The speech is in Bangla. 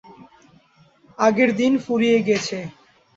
আগের দিন ফুরিয়ে গেছে।